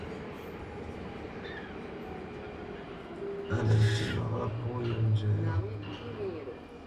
Á nə ntî nɔ wâ pó yē njə́ yɔ̂.